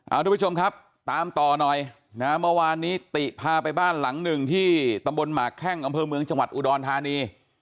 เอาทุกผู้ชมครับตามต่อหน่อยนะฮะเมื่อวานนี้ติพาไปบ้านหลังหนึ่งที่ตำบลหมากแข้งอำเภอเมืองจังหวัดอุดรธานี